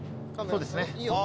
そうですね。